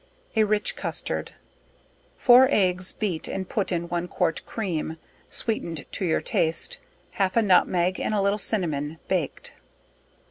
A Rich Custard. Four eggs beat and put to one quart cream, sweetened to your taste, half a nutmeg, and a little cinnamon baked.